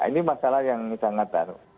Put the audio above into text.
ini masalah yang sangat baru